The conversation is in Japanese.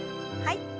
はい。